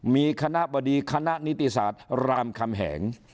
มีคณะบดีคณะนิติศาสตร์รามคำแหง